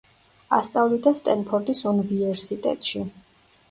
ასწავლიდა სტენფორდის უნვიერსიტეტში.